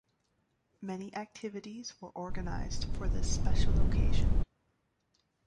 Many activities were organised for this special occasion.